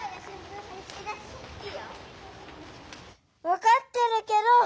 わかってるけど！